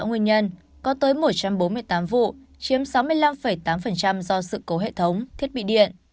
nguyên nhân có tới một trăm bốn mươi tám vụ chiếm sáu mươi năm tám do sự cố hệ thống thiết bị điện